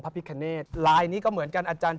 พระพุทธพิบูรณ์ท่านาภิรม